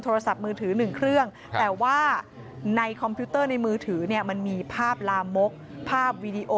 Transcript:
โทรศัพท์มือถือ๑เครื่องแต่ว่าในคอมพิวเตอร์มีภาพลามกภาพวีดีโอ